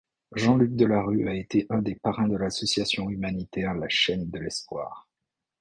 Jean-Luc Delarue a été un des parrains de l'association humanitaire La Chaîne de l'Espoir.